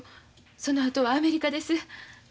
そのあとはアメリカです。